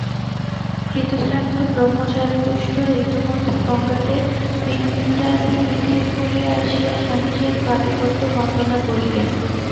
কৃতশ্রাদ্ধ ব্রহ্মচারিচতুষ্টয় ইতোমধ্যে গঙ্গাতে পিণ্ডাদি নিক্ষেপ করিয়া আসিয়া স্বামীজীর পাদপদ্ম বন্দনা করিলেন।